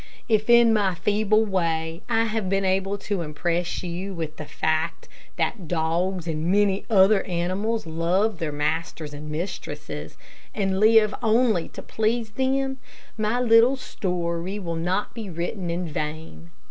If in my feeble way I have been able to impress you with the fact that dogs and many other animals love their masters and mistresses, and live only to please them, my little story will not be written in vain.